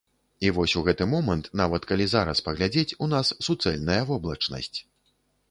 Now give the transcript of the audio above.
І вось у гэты момант, нават калі зараз паглядзець, у нас суцэльная воблачнасць.